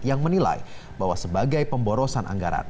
yang menilai bahwa sebagai pemborosan anggaran